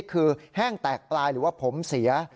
คือแห้งแตกปลายหรือว่าผมเสีย